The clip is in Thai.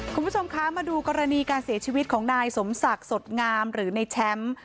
คุณผู้ชมคะมาดูกรณีการเสียชีวิตของนายสมศักดิ์สดงามหรือในแชมป์